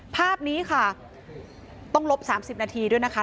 ภาพนี้ค่ะต้องลบ๓๐นาทีด้วยนะคะ